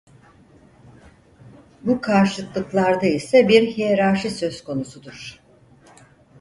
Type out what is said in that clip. Bu karşıtlıklarda ise bir hiyerarşi söz konusudur.